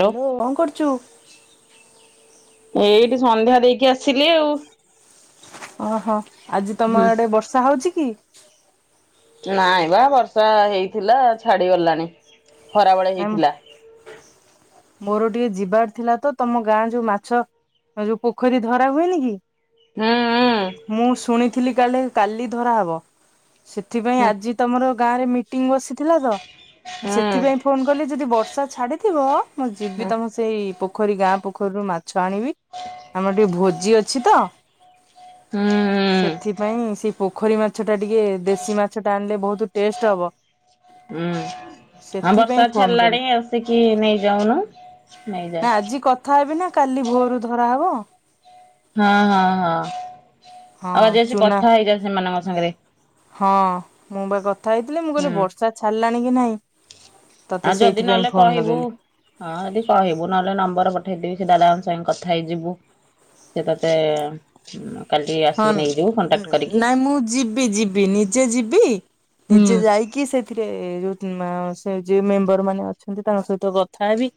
Hello କଣ କରୁଛୁ? ଏଇଠି ସନ୍ଧ୍ୟା ଦେଇକି ଆସିଲି ଆଉ। ଓହୋ, ଆଜି ତମ ଆଡେ ବର୍ଷା ହୋଉଛି କି? ନାଇଁ ବା ବର୍ଷା ହେଇଥିଲା ଛାଡି ଗଲାଣି। ଖରାବେଳେ ନା ହେଇଥିଲା। ମୋର ଟିକେ ଯିବାର ଥିଲା ତ ତମ ଗାଁ ଯୋଉ ମାଛ ଯୋଉ ପୋଖରୀ ଧରା ହୁଏନି କି ହୁଁ ହୁଁ ମୁଁ ଶୁଣିଥିଲି କାଳେ କାଲି ଧରା ହବ। ସେଥିପାଇଁ ହୁଁ ଆଜି ତମର ଗାଁ ରେ ମିଟିଂ ବସିଥିଲା ତ ସେଥିପାଇଁ ହୁଁ। ଫୋନ୍ କଲି ଯଦି ବର୍ଷା ଛାଡ଼ିଥିବ, ମୁଁ ଯିବି ତମ ସେଇ ପୋଖରୀ ଗାଁ ପୋଖରୀରୁ ମାଛ ଆଣିବି। ଆମର ଟିକେ ଭୋଜି ଅଛି ତ, ହୁଁ ସେଥିପାଇଁ ସେଇ ପୋଖରୀ ମା ଛ ଟା ଟିକେ ଦେଶୀ ମାଛ ଟା ଆଣିଲେ ବୋହୁତ୍ ଟେଷ୍ଟ ହବ। ହୁଁ ଆଁ ବର୍ଷ ସେଥିପାଇଁ ତା ଫୋନ କଲି। ଛାଡିଲାଣି ଆସିକି ନେଇ ଯାଉନୁ ନେଇଯାଆ। ଆ ବିନା କାଲି ଭୋରୁ ଧରାହବ। ହଁ ହଁ ହଁ, ଆଉ ହଁ ଯ ସେ ଚୁନା କଥା ହେଇଯା ସେମାନଙ୍କ ସାଙ୍ଗେ। ହଁ, ମୁଁ ବା କଥା ହେଇଥିଲି, ମୁଁ କହିଲି ହୁଁ। ବର୍ଷା ଛାଡିଲାଣି କି ନାଇଁ। ତତେ ଆ ଯଦି ସେଇଥିପାଇଁ ନହେଲେ ଫୋନ କହିବୁ, ଲଗେଇଲି। ହଁ ଯଦି କହିବୁ ନହେଲେ ନମ୍ବର ପ ଠେଇଦେବି ସେ ଦାଦାଙ୍କ ସାଙ୍ଗେ କଥା ହେଇଯିବୁ ସେ ତତେ କାଲି ଆସିକି ହନ୍ ନେଇଯିବୁ କଣ୍ଟାକ୍ଟ କରିକି। ନାଇଁ ମୁଁ ଯିବି ଯିବି ନିଜେ ଯିବି ହୁଁ ନିଜେ ଯାଇକି ସେଥିରେ [unintelligible] ମାଁ ସେ ଯି ମେମ୍ବର ମାନେ ଅଛନ୍ତି, ତାଙ୍କ ସହିତ କଥା ହେବି,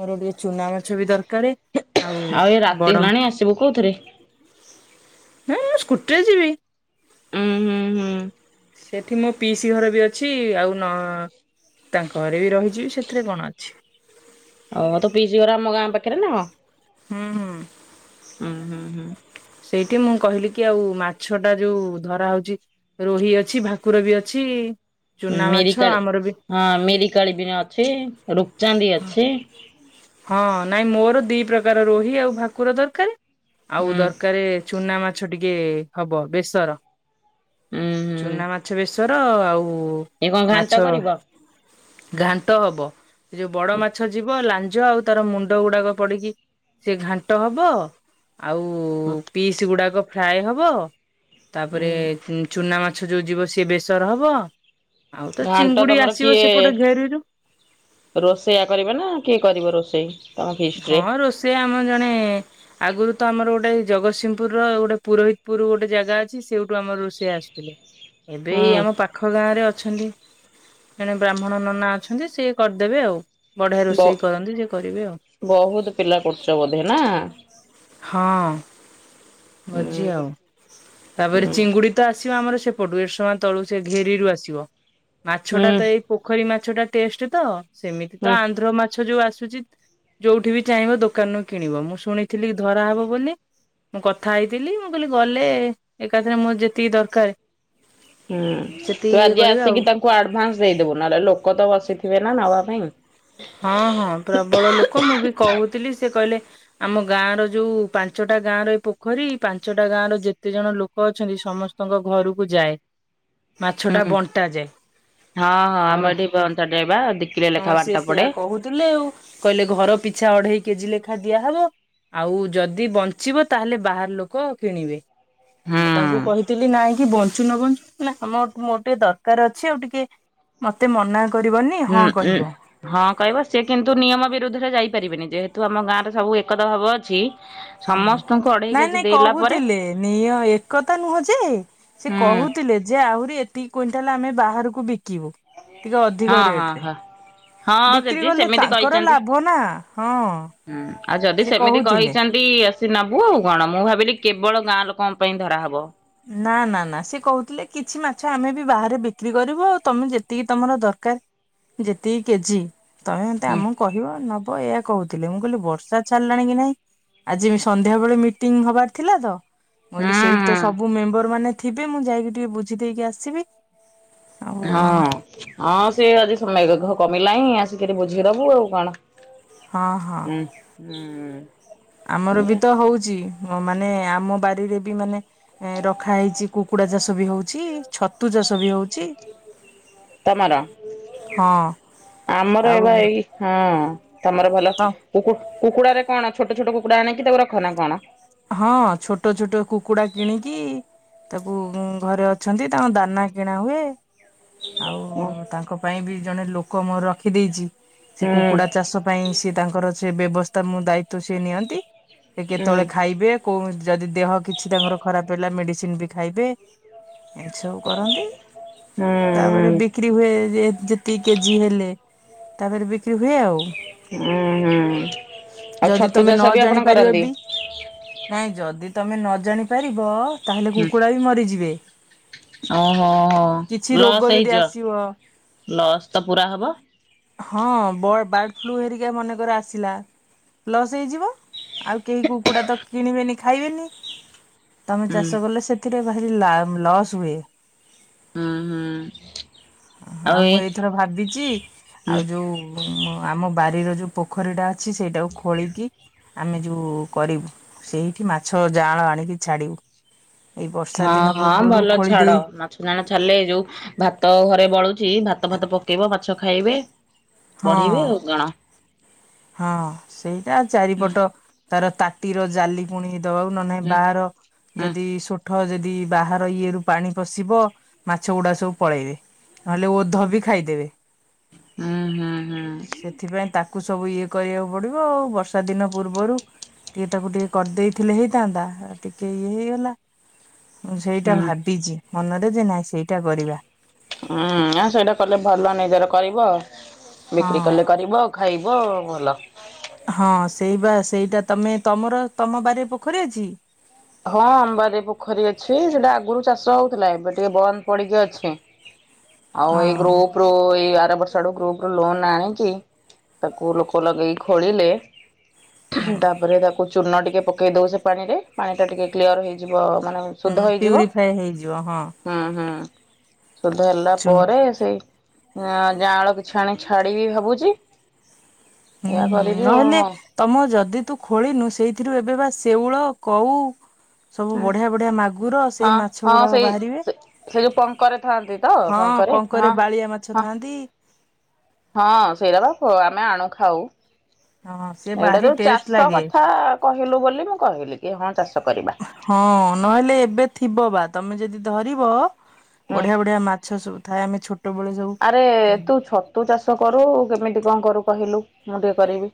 ମୋର ଗୋଟିଏ ଚୁନା ମାଛ ବି ଦର୍ କାରେ ଆଉ ଏ ରାତି ବଡ ହେଲାଣି ଆସିବୁ କୋଉଥିରେ? ହେଁ ମୁଁ ସ୍କୁଟିରେ ଯିବି। ଉଁ ହୁଁ ହୁଁ। ଏଠି ମୋ ପିଇସି ଘର ବି ଅଛି, ଆଉ ନ ତାଙ୍କ ଘରେ ବି ରହିଯିବି, ସେଥିରେ କଣ ଅଛି? ଅ ତ ପିଇସି ଘର ଆମ ଗାଁ ପାଖରେ ନା କଣ? ହୁଁ ହୁଁ। ଉଁ ହୁଁ ହୁଁ। କି ମୁଁ କହିଲି କି ଆଉ ମାଛ ଟା ଯୋଉ ଧରା ହୋଉଛି ରୋହି ଅଛି ଭାକୁର ବି ଅଛି। ଉଁ ଚୁନା ମାଛ ମିରିକାଳି ଆମର ବି ହଁ ମିରିକାଳି ବିଣେ ଅଛି ରୋ ଚାନ୍ଦି ଅଛି। ହଁ ନାଇଁ ମୋର ଦି ପ୍ରକାର ରୋହି ଆଉ ଭାକୁର ଦରକାରେ ଆଉ ହୁଁ ଦରକାରେ ଚୁନା ମାଛ ଟିକେ ହବ ବେସର, ହୁଁ ହୁଁ ଚୁନା ମାଛ ବେସ୍ ସର ଆଉ ଏ କଣ ଘାଣ୍ଟ ମାଛ କରିବ? ଘାଣ୍ଟ ହବ ଏ ଯୋଉ ବଡ଼ ମାଛ ଯିବ ଲାଞ୍ଜ ଜ ଆଉ ତାର ମୁଣ୍ଡ ଗୁଡାକ ପଡିକି ସେ ଘାଣ୍ଟ ହବ। ଆଉ ପିସ୍ ଗୁଡାକ ଫ୍ରାଏ ହବ, ତାପରେ ହୁଁ ଚୁନା ମା ମାଛ ଯୋଉ ଯିବ ସିଏ ବେସର ହବ, ଆଉ ତ ଘାଣ୍ଟ ଚିଙ୍ଗୁଡି ତମର ଆସିବ କିଏ ସେପଟ ଘେରିରୁ। ରୋଷେଇଆ କରିବ ନା କିଏ କରିବ ରୋଷେଇ? ତମ ଫିଷ୍ଟରେ? ହଁ, ରୋଷେଇଆ ଆମ ଜଣେ ଆଗରୁ ତ ଆମର ଗୋଟେ ଜଗତସିଂହପୁର ର ଗୋଟେ ପୁରୋହିତପୁର ଗୋଟେ ଜାଗା ଅଛି। ସେ ଆମର ରୋଷେଇଆ ଆସୁଥିଲେ ଏବେ ହୁଁ ଆମ ପାଖ ଗାଁ ରେ ଅ ଅଛନ୍ତି ଜଣେ ବ୍ରାହ୍ମଣ ନନା ଅଛନ୍ତି ସିଏ କରିଦେବେ ଆଉ। ବଢିଆ ବ ରୋଷେଇ କରନ୍ତି ଯିଏ କରିବେ ଆଉ। ବହୁତ ପିଲା କରୁଛ ବୋଧେ ନା? ହଁ ଭୋଜି ହୁଁ ଆଉ ତାପରେ ହୁଁ ଚିଙ୍ଗୁଡି ତ ଆ ଆସ ଆମର ସେପଟୁ ଏାନ ତଳୁ ସେ ଘେରିରୁୁ ଆସିବ ମାଛ ଟା ହୁଁ ତ ଏଇ ପୋଖରୀ ମାଛ ମାଛ ଟା ଟେଷ୍ଟ ତ ସେମିତି ତ ହୁଁ ଆନ୍ଧ୍ର ମାଛ ଯୋଉ ଆସୁଛି। ଯୋଉଠି ବି ଚାହିଁବ ଦୋକାନରୁ କିଣିବ ମୁଁ ଶୁଣିଥିଲି ଧରାହବ ବୋଲି। ମୁଁ କଥା ହେଇଥିଲି ମୁଁ କହିଲି ଗଲେ ଏକାଥରେ ମୋର ଯେତିକି ଦରକାର ହୁଁ ତୁ ସେତିକି ଇଏ ଆଜି କରିବା ଆଉ ଆସିକି ତାଙ୍କୁ ଆଡଭାନ୍ସ ଦେଇଦବୁ ନହେଲେ ଲୋକ ତ ବସିିବ। ଥିବେ ନା ନବା ପାଇଁ। ହଁ ହଁ ପ୍ରବଳ ଲୋକ ମୁଁ ବି କହୁଥିଲି ସେ କହିଲେ ଆମ ଗାଁ ର ଯୋଉ ପାଞ୍ଚଟା ଗାଁ ର ଏ ପୋଖରୀ ପାଞ୍ଚଟା ଗାଁ ର ଯେତେ ଜଣ ଲୋକ ଅଛନ୍ତି ସମସ୍ତଙ୍କ ଘରକୁ ଯାଏ। ମାଛ ଟା ହୁଁ ବଣ୍ଟାାଯାଏ ହଁ ହଁ ଆମ ଘର ଏଠି ବଞ୍ଚାଯାଏ ବା ଦି କିଲୋ ଲେଖା ହଁ ବାଣ୍ଟ ସେ ସେଇଆ ପଡେ। କହୁଥିଲେ ଆଉ କହିଲେ ଘର ପିଛା ଅଢେଇ କେଜି ଲେଖା ଦିଆହବ ଆଉ ଯଦି ବଞ୍ଚିବ ତାହେଲେ ବାହାର ଲୋକ କିଣିବେ? ହୁଁ ମୁଁ ତାଙ୍କୁ କହିଥିଲି ନାଇଁ କି ବଞ୍ଚ ବଞ୍ଚୁ ନ ବଞ୍ଚୁ ଆମର ମୋର ଟିକେ ଦରକାର ଅଛି ଆଉ ଟିକେ ମତେ ମନା କରିବନି ହଁ ହୁଁ ଉଁ। କହିବ। ହଁ କହିବ ସେି କିନ୍ତୁ ନିୟମ ବିରୁଦ୍ଧରେ ଯାଇପାରିବେନି ଯେହେତୁ ଆମ ଗାଁରେ ସବୁ ଏକତା ଭାବ ଅଛି। ହୁଁ। ସମସ୍ତଙ୍କୁ? ଅଢେଇ ନାଇଁ କେଜି ନାଇଁ ଦେଲା ପରେ କହୁଥିଲେ ନି ଏକତା ନୁହଁ ଯେ ସେ ହୁଁ କହୁଥିଲେ ଯେ ଆହୁରି ଏତିକି କୁଣ୍ଟାଲ ଆମେ ବାହାରକୁ ବିକିବୁ ଟିକେ ଅଧିକ ହଁ ହଁ ରେଟ ରେ ହଁ। ହଁ ବିକ୍ରି ଯଦି ଗଲେ ସେମିତି ତାଙ୍କର କହିଛନ୍ତି ଲାଭ ନା ହଁ। ହୁଁ ଆଉ ଯଦି ସେ ସେମିତି କହୁଥିଲେ। କହିଛନ୍ତି ଆସି ନେବୁ ଆଉ କଣ ମୁଁ ଭାବିଲି କେବଳ ଗାଁ ଲୋକଙ୍କ ପାଇଁ ଧରାହବ। ନା ନା ନା ସେ କହୁଥିଲେ କିଛି ମାଛ ଆମେ ବି ବାହାରେ ବିକ୍ରି କରିବୁ ଆଉ ତମେ ଯେତିକି ତମର ଦରକାର ଦର ଯେତିକି କେଜି ତମେ ତ ହୁଁ ଆମକୁ କହିବ ନ ହଁ ଏୟ କହୁଥିଲେ ମୁଁ କହିଲି ବର୍ଷା ଛାଡ଼ିଲାନି କି ନାଇଁ? ଆଜି ସନ୍ଧ୍ୟାବେଳେ ମିଟିଂ ହବାର ଥିଲା ତ ହୁଁ କହିଲି ସେଇଠି ତ ହୁଁ। ଲେବର ମାନେ ଥିବେ ମୁଁ ଯାଇକି ଟିକେ ବୁଝି ଦେଇକି ଆସିବି? ଆଉ ହଁ ହଁ ସେ ଆଜି ସମୟ ମେଘ କମି ଲାଣିିଁ ଆସିକରି ବୁଝିଦବୁ ଆଉ କଣ? ହଁ ହଁ ଉ ଉ ଆମର ବି ତ ହଉଛି ମାନେ ଆମ ବାରିରେ ବି ମାନେ ଏ ରଖା ହେଇଛି କୁକୁଡା ଚାଷ ବି ହଉଛି ଛତୁ ଚାଷ ବି ହଉଛି। ତମର ହଁ ଆମର ଆଉ ଏବେ ଏଇ ହଁ ତମର ଭଲ ତ କୁ କୁକୁଡାରେ କଣ ଛୋଟ ଛୋଟ କୁକୁଡା ଆଣିକି ତାକୁ ରଖ ନା କଣ? ହଁ ତାବୁ ଘରେ ଅଛନ୍ତି ତାଙ୍କ ଦାନା କିଣା ହୁଏ। ଆଉ ହୁଁ ତାଙ୍କ ପାଇଁ ବି ଜଣେ ଲୋକ ମୁଁ ରଖିଦେଇଛି। ସେ ହୁଁ କୁକୁଡା ଚାଷ ପାଇଁ ସେ ତାଙ୍କର ସେ ବ୍ୟବସ୍ଥା ମୁଁ ଦାୟିତ୍ଵ ସେ ନିଅନ୍ତି। ହୁଁ। ଯିବେ କୌଣସି ଯଦି ଦେହ କିଛି ତାଙ୍କର ଖରାପ ହେଲା ମେଡିସିନ ବି ଖାଇବେ। ଏମିତି ସବୁ କରନ୍ତି ତାପରେ ବିକ୍ରି ହୁଏ ଯେ ଯେତିକି କେଜି ହେଲେ ତାପରେ ବିକ୍ରି ହୁଏ ଆଉ। ହୁଁ ହୁଁ ଆଉ ଯଦି ଛତୁ ତମେ ନ ଚାଷ ବି ଆପଣ ଜାଣିପାରିବ କରନ୍ତି। ବି ନାଇଁ ଯଦି ତମେ ନ ଜାଣି ପାରିବ ତାହେଲେ ହୁଁ କୁକୁଡ଼ା ବି ମରିଯିବେ। ଓହୋ କିଛି ହୋ ରୋଗ ଲସ୍ ଯଦି ହେଇଯିବ ଆସିବ ଲସ୍ ତ ପୁରା ହବ। ହଁ ବ ବାର୍ଡ ଫ୍ଲୁ ହେରିକା ମନେକର ଆସିଲା। ଲସ୍ ହେଇଯିବ ଆଉ କେହି କୁ କୁକୁଡା ତ କିଣିବେନି ଖାଇବେନି ତମେ ହୁଁ ଚାଷ କଲେ ସେଥିରେ। ଭାରି ଲା ଲସ୍ ହୁଏ। ହୁଁ ହୁଁ। ଆଉ ମୁଁ ଏଇଥର ଭାବିଛି ଆଉ ଯୋଉ ଉଁ ମ ଆମ ବାରିର ଯଉ ପୋଖରୀଟା ଅଛି ସେଇଟାକୁ ଖୋଳିକି ଆମେ ଯଉ। କରିବୁ ସେଇଠି ମାଛ ଜାଅଁଳ ଆଣିକି ଛାଡିବୁ। ଏଇ ବର୍ଷା ହଁ ଦିନ ହଁ ପୂର୍ବରୁ ଭଲ ଛାଡ ଖୋଳିଦେଇ ମାଛ ଜାଣ ଛାଡିଲେ ଏଇ ଯୋଉ ଭାତ ଘ ବଳୁଚି ଭାତ ଫାତ ପକେଇବ ମାଛ ଖାଇବେ ବଢିବେ ହଁ ଆଉ କଣ। ହଁ ସେଇଟା ହୁଁ ଚାରିପଟ ତାର ତାଟିର ଜାଲି ପୁଣି। ଦବାକୁ ନ ନାହିଁ ହୁଁ ବାହାର ହୁଁ ଯଦି ଷୁଠ ଯ ଦି ବାହାର ଇଏ ରୁ ପାଣି ପଶିବ ମାଛ ଗୁଡା ସବୁ ପଳେଇବେ। ନହଲେ ଓଧ ବି ଖାଇଦେବେ। ହୁଁ ହୁଁ। ହୁଁ ସେଥିପାଇଁ ତାକୁ ସବୁ ଇଏ। କରିବାକୁ ପଡିବ ଆଉ ବର୍ଷା ଦିନ ପୂର୍ବରୁ ଟିକେ ତାକୁ ଟିକେ କରିଦେଇଥିଲେ ହେଇଥାନ୍ତା ଆ ଟିକେ। ଇଏ ହେଇଗଲା ମୁଁ ସେଇଟା ହୁଁ। ଭାବିଛି ମନରେ ଯେ ନାଇଁ ସେଇଟା କରିବା। ହୁଁ ଆ ସେଇଟା କଲେ ଭଲ ନିଜର କରିବ ହଁ। ବିକ୍ରି କଲେ କରିବ ଖ ଖାଇବ ଭଲ। ହଁ ସେଇ ବା ସେଇଟା ତମେ ତମର ତମ ବାରି ରେ ପୋଖରୀ ଅଛି? ହଁ ଆମ ବାରିରେ ପୋଖରୀ ଅଛି ସେଟା ଆଗରୁ ଚାଷ ହଉଥିଲା ଏବେ ଟିକେ ବନ୍ଦ ପଡିକି ଅଛି। ଆଉ ହଁ ଏଇ ଗ୍ରୁପ ରୁ ଏଇ ଆ ତା ବର୍ଷ ଆଡୁ ଗ୍ରୁପ ରୁ ଲୋନ ଆଣିକି ତାକୁ ଲୋକ ଲଗେଇକି ଖୋଳିଲେ। ହୁଁ ତାପରେ ତାକୁ ଚୂନ ଟିକେ ପକେଇ ଦଉ ସେ ପାଣି ରେ ପାଣି ଟା ଟିକେ କ୍ଲିୟର ହେଇଯି ବ ମାନେ ହୁଁ ଶୁଦ୍ଧ ହେଇଯିବ ପ୍ୟୁରିଫାଏ ହେଇଯିବ ହଁ। ହୁଁ ହୁଁ। ଶୁଦ୍ଧ ହେଲା ଚୁନ ପରେ ସେଇ। ଆଁ ଯାଅଁଳ କିଛି ଆଣି ଛାଡିବି ଭାବୁଛି। ହୁଁ ଏଇଆ ହୁଁ କରିବି ଆଉ ନହେଲେ ତମ ଯଦି ତୁ ଖୋଳିନୁ ସେଇ ଥିରୁ ଏବେ ବା ଶେଉଳ କଉ। ସବୁ ହଁ ବଢି଼ଆ ବଢି଼ଆ ମାଗୁର ହଁ ସେଇ ମାଛ ହଁ ଗୁଡାକ ସେଇ ବାହାରିବେ ସେ ଯୋଉ ପଙ୍କରେ ଥାଆନ୍ତି ତ ହଁ। ପଙ୍କରେ ହଁ ବାଳିଆ ମାଛ ହଁ ଥାଆନ୍ତି। ହଁ ସେଇରା ବା ଅ ଆମେ ଆଣୁ ଖାଉ। ହଁ ସେ ଏଇଟା ଭାରି ଯୋଉ ଟେଷ୍ଟ ଚାଷ ଲାଗେ କଥା କହିଲୁ ବୋଲି ମୁଁ କହିଲି କି ହଁ ଚାଷ କରିବା। ହଁ ନହେଲେ ଏବେ ଥିବ ବା। ତମେ ଯଦି ଧରିବ ହୁଁ ବଢି଼ଆ ବଢି଼ଆ ମାଛ ସବୁ ଥାଏ ଆମେ ଛୋଟବେଳେ ସବୁ ଆରେ ତୁ ଛତୁ ଚାଷ କରୁ କେମିତି କଣ କରୁ? କହିଲୁ ମୁଁ ଟିକେ କରିବି।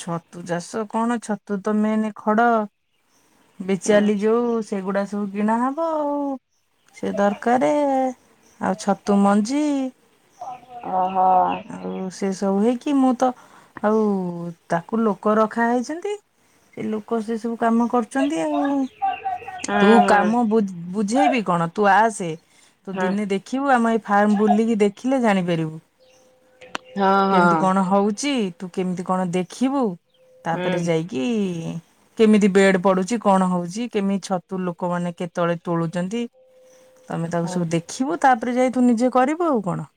ଛତୁ ଚାଷ କଣ ଛତୁ ତ ମେନ୍ ଖଡ। ହୁଁ ବିଚାଲି ଯୋଉ ସେଗୁଡା଼ ସବୁ କିିଣା ହବ ଆଉ ସେ ଦରକାରେ। ଆଉ ଛତୁ ମଞ୍ଜି ଓହୋ ହଁ ଆଉ ସେ ସବୁ ହେଇ କି ମୁଁ ତ ଆଉ ତାକୁ ଲୋକ ରଖା ହେଇଛନ୍ତି ସେ ଲୋକ ସେ ସବୁ କାମ କରୁଛନ୍ତି ଆଉ ତୁ ହଁ କାମ ବୁ ବୁଝେଇବି କଣ ତୁ ଆସେ। ତୁ ହଁ ଦିନେ ଦେଖିବୁ ଆମ ଏଇ ଫାର୍ମ ବୁଲିକି ଦେଖିଲେ ଜାଣିପାରିବୁ। ହଁ କେମିତି ହଁ କଣ ହଉଛି ତୁ କେମିତି କଣ ଦେଖିବୁ। ତାପରେ ହୁଁ ଯାଇକି। କେମିତି ବେଡ଼ ପଡୁଛି କଣ ହଉଛି କେମିତି ଛତୁ ଲୋକମାନେ କେତେବେଳେ ତୋଳୁଛନ୍ତି? ତମେ ତାକୁ ହୁଁ ସବୁ ଦେଖିବୁ ତାପରେ ଯାଇ ତୁ ନିଜେ କରିବୁ ଆଉ କଣ?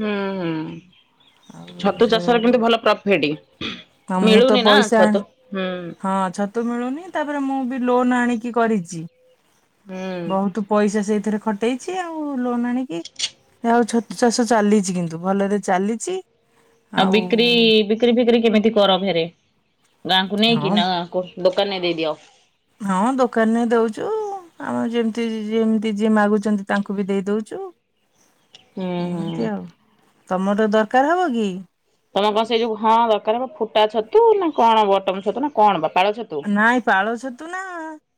ହୁଁ ହୁଁ ଆଉ ଛତୁ ଚାଷ ର କିନ୍ତୁ ଭଲ ପ୍ରଫିଟି? ହଁ ମୁଁ ତ ପଇସା ଆଣି ହଁ ଛ ମିଳୁନି ତାପରେ ମୁଁ ବି ଲୋନ ଆଣି କରିଛି ହୁଁ ବହୁତ ପଇସା ସେଥିରେ ଖଟେଇଛି ଆଉ ଲୋନ ଆଣିକି ଆଉ ଛତୁ ଚାଷ ଚାଲିଛି କିନ୍ତୁ ଭଲରେ ଚାଲିଛି ଆଉ ବିକ୍ରି ବିକ୍ରି ଫିକ୍ରି କେମିତି କର ଫେରେ ଗାଁକୁ ନେଇକି ହଁ ନା ଗାଁକୁ? ଦୋକାନରେ ଦେଇଦିଅ? ହଁ ଦୋକାନରେ ଦଉଛୁ ଆମର ଯେମତି ଯେମତି ଯିଏ ମାଗୁଛନ୍ତି ତାଙ୍କୁ ବି ଦେଇ ଦଉଛୁ। ହୁଁ ହୁଁ ଏମିତି ଆଉ ତମର ଦରକାର ହବ କି? ତମ କଣ ସେଇ ଯୋଉ ହଁ ଦରକାର ଫୁଟା ଛତୁ ନା କଣ ବଟମ ଛତୁ ନା କଣ ବା? ପାଳ ଛତୁ? ନାଇଁ ପାଳ ଛତୁ ନା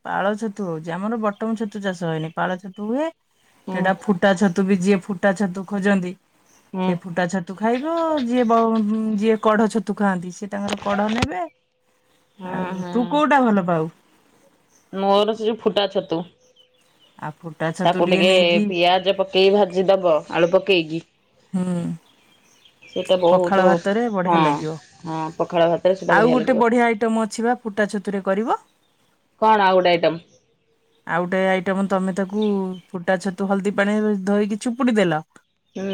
ପାଳ ଛତୁ ହଉଛି। ଆମର ବଟମ ଛତୁ ଚାଷ ହଏନି ପାଳ ଛତୁ ହୁଏ ହୁଁ ଏଇଟା ଫୁଟା ଛୁ ବି ଯିଏ ଫୁ ଫୁଟା ଛତୁ ଖୋଜନ୍ତି ହୁଁ ସେ ଫୁଟା ଛତୁ ଖାଇବ ଯିଏ ଯିଏ କଡ ଛତୁ ଖାଆନ୍ତି ସେ ତାଙ୍କର କଡ଼ ନେବେ। ହୁଁ। ଆଉ ହୁଁ ତୁ କୋଉଟା ଭଲ ପାଉ? ମୋର ସେ ଯୋଉ ଫୁଟା ଛତୁ। ଆଉ ଫୁଟା ଛତୁ ତାକୁ ଟିକେ ନେଇକି ପିଆଜ ପକେଇି ଭାଜି ଦବ ଆଳୁ ପକେଇକି। ହୁଁ ସେଇଟା ବହୁତ ପଖାଳ ଭାତରେ ବଢିଆ ହଁ ଲାଗିବ। ହଁ ପଖାଳ ଭାତରେ ସେଇଟା ଆଉ ଗୋଟେ ଲାଗିବ। ବଢିଆ ଆଇଟମ୍ ଅଛି ବା ଫୁଟା ଛତୁରେ କରିବ? କଣ ଆଉ ଗୋଟେ ଆଇଟମ୍? ଆଉ ଗୋଟେ ଆଇଟମ ତମେ ତାକୁ ଫୁଟା ଛତୁ ହଳଦୀ ପାଣି ଧୋଇକି ଚିପୁଡି ଦେଲ ହୁଁ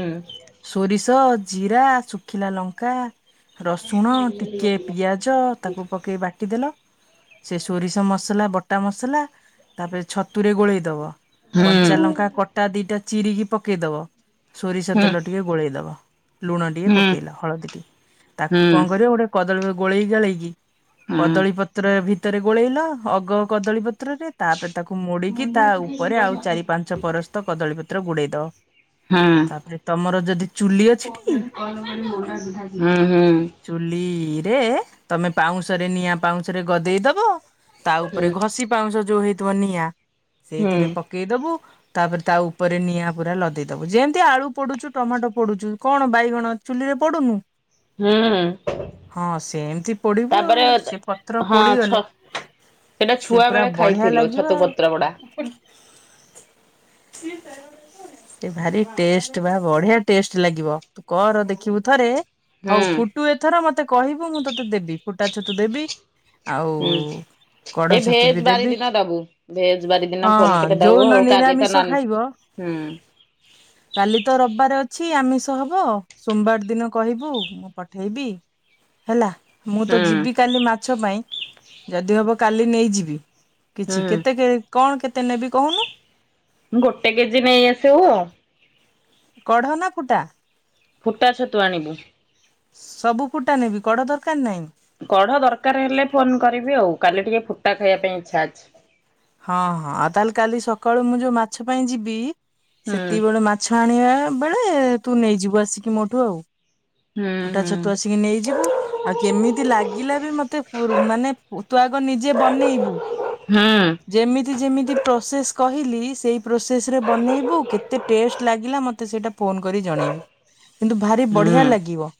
ସୋରିଷ ଜିରା ଶୁଖିଲା ଲଙ୍କା ରସୁଣ ଟିକେ ପିଆଜ ତାକୁ ପକେଇ ବାଟିଦେଲ ସେ ସୋରିଷ ମସଲା ବଟା ମସଲା ତାପରେ ଛତୁରେ ଗୋଳେଇ ଦବ। ହୁଁ କଞ୍ଚା ହୁଁ ଲଙ୍କା କଟା ଦିଟା ଚିରିକି ପକେଇ ଦବ ସୋରିଷ ତେଲ ଟିକେ ଗୋଳେଇ ଦବ ଲୁଣ ଟିକେ ହୁଁ ହୁଁ ହୁଁ। ପକେଇଲା ହଳଦୀ ଟ ତାକୁ କଣ ହଁ। କର ଗୋଟେ କଦଳୀ ଗୋଳେଇ ଗାଳେଇକି କଦଳୀ ପତ୍ର ଭିତରେ ଗୋଳେଇଲା ଅଗ କଦଳୀ ପତ୍ରରେ ତାପରେ ତାକୁ ହୁଁ ହୁଁ ମୋଡିକି ତା ଉପରେ ଆଉ ଚାରି ପାଞ୍ଚ ପରସ୍ତ କଦଳୀ ପତ୍ର ଗୋଡେଇ ଦେବ ହଁ ଅଛି ଟି? ହଁ ହଁ। ଚୁଲି ତମେ ପାଉଁଶରେ ନିଆଁ ପାଉଁଶରେ ଗଦେଇ ଦବ ତା ଉପରେ ଘଷି ପାଉଁଶ ଯୋଉ ହେଇ ଧନିଆ ହୁଁ ସେଇଥିରେ ପକେଇଦବୁ ତାପରେ ତା ଉପରେ ନିଆଁ ପୁରା ଲଦେଇଦବୁ ଯେମିତି ଆଳୁ ପୋଡୁଛୁ ଟମାଟୋ ପୋଡୁଛୁ କଣ ବାଇଗଣ ଚୁଲିର ପୋଡ଼ୁନୁ? ହୁଁ ହଁ ସେ ଏମିତି ପୋଡିବୁ ତାପରେ ଆଉ ସେ ପଥର ହଁ ଛ ପୋଡିଗଲେ ସେ ପୁରା ବଢି଼ଆ ଲାଗିବ। ତ ଆଉ। ପତ୍ର ଗଡ଼ା [inaudible] ଭାରି ଟେଷ୍ଟ ବା ବଢି଼ଆ ଟେଷ୍ଟ ଲାଗିବ କର ଦେଖିବୁ ଥରେ ହୁଁ ହଉ ଫୁଟୁ ଏଥର ମତେ କହିବୁ ମୁଁ ତୋତେ ଦେବି ଫୁଟା ଛତୁ ଦେବି ଆଉ ହୁଁ। କଢ଼ ଛତୁ ବି ଦେବି ବୁ ଭେଜବାରି ଦିନ ହଁ ଫୋନ କଲେ ଦବୁ ଯୋଉନ ଆଉ କାଲି ତ ନିରାମିଷ ନନ୍ ଖାଇବ ହୁଁ କାଲି ତ ରବିବାର ଅଛି ଆମି ଷ ହବ ସୋମବାର ଦିନ କହିବୁ ମୁଁ ପଠେଇବି ହେଲା। ମୁଁ ତ ହୁଁ। ଯିବି କାଲି ମାଛ ପାଇଁ ଯଦି ହବ କାଲି ନେଇଯିବି। କିଛି କେତେ ହୁଁ କେ କଣ କେତେ ନେବି କହୁନୁ? ଗୋଟେ କେଜି ନେଇ ଆସିବୁ। କଢ଼ ନା ଫୁଟା? ଫୁଟା ଛତୁ ଆଣିବୁ। ସବୁ ଫୁଟା ନେବି କଡ଼ ଦର କଢ଼ ଦରକାର ହେଲେ ଫୋନ କରିବି ଆଉ କାଲି ଟିକେ ଫୁଟା ଖାଇବା ପାଇଁ ଇଚ୍ଛା ଅଛି। ହଁ ହଁ ଆଉ ତାହେଲେ କାଲି ସକାଳୁ ମୁଁ ଯୋଉ ମାଛ ପାଇଁ ଯିବି ହୁଁ ସେତିକି ବେଳେ ମାଛ ଆଣିବା ବେଳେ ତୁ ନେଇଯିବୁ ଆସିକି ମୋଠୁ ଆଉ। ହୁଁ ଫୁଟା ହୁଁ ଛଟୁ ଆସିକି ନେଇଯିବୁ ଆଉ କେମିତି ଲାଗିଲା ବି ମତେ ମାନେ ତୁ ଆଗ ନିଜେ ବନେଇବୁ ହୁଁ ଯେମିତି ଯେମିତି ପ୍ରୋସେସ କ କହିଲି ସେଇ ପ୍ରୋସେସ ରେ ବନେଇବୁ। କେତେ ଟେଷ୍ଟ ଲାଗିଲା ମୋତେ ସେଟା ଫୋନ କରି ଜଣେଇବୁ। କିନ୍ତୁ ଭାରି ହୁଁ ବଢିଆ ଲାଗିବ।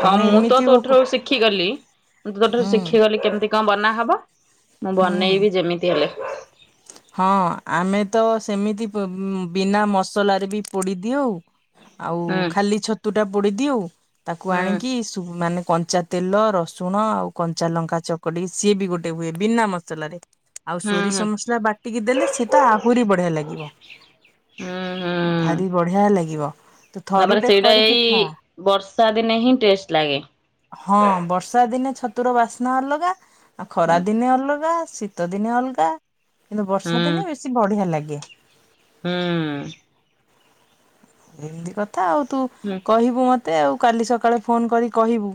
ହଁ ତମେ ମୁଁ ତ ଏମିତି ତୋ ହୁଁ ଠାରୁ ଶିଖିଗଲି। ମୁଁ ତୋଠାରୁ ଶିଖିଗଲି କେମିତି କଣ ବନାହବ। ବ ମୁଁ ହୁଁ। ବନେଇବି ଯେମିତି ହେଲେ। ହଁ ଆମେ ତ ସେମିତି ବିନା ମସଲାରେ ବି ପୋଡି ଦିଅ ଆଉ। ଆଉ ହୁଁ ଖାଲି ଛତୁ ଟା ପୋଡିଦଉ ଆଉ ତାକୁ ଆଣିକି ହୁଁ ମାନେ କଞ୍ଚା ତେଲ ରସୁଣ ଆଉ କଞ୍ଚା ଲଙ୍କା ଚକଡି ସିଏ ବି ଗୋଟେ ହୁଏ, ବିନା ମସଲାରେ। ଆଉ ହୁଁ। ସୋରିସ ମସଲା ବାଟିକି ଦେଲେ ସେତ, ଆହୁରି ବଢିଆ ଲାଗିବ। ହୁଁ ହୁଁ ଭାରି ବଢିଆ ଲାଗିବ। ତୁ ତାପରେ ଥରୁଟେ ସେଇଟା କରିକି ଏଇ ଖା ବର୍ଷା ଦିନେ ହିଁ ଟେଷ୍ଟ ଲାଗେ। ହଁ ବର୍ଷା ଦିନେ ଛତୁର ବାସ୍ନା ଅଲଗା ଖରା ହୁଁ ଦିନେ ଅଲଗା, ଶୀତ ଦିନେ ଅଲଗା କିନ୍ତୁ ବର୍ଷା ଦିନେ ବେଶୀ ବଢିଆ ଲାଗେ। ହଁ। ଏମିତି କଥା ଆଉ ତୁ ହୁଁ। କହିବୁ ମତେ। ମୋତେ ଆଉ କାଲି ସକାଳେ ଫୋନ୍ କରି କହିବୁ।